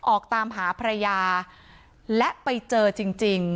ออกตามหาภรรยาและไปเจอจริง